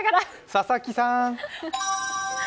佐々木さん。